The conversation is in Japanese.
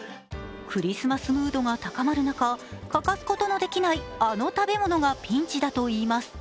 クリスマスムードが高まる中、欠かすことのできないあの食べ物がピンチだといいます。